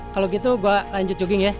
kalau gitu gue lanjut jogging ya